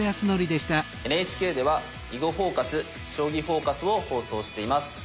ＮＨＫでは「囲碁フォーカス」「将棋フォーカス」を放送しています。